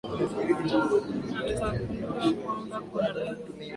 na tukangundua kwamba kuna dawa ambazo